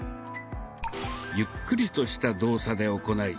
ゆっくりとした動作で行い